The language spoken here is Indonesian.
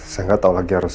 saya gak tahu lagi harus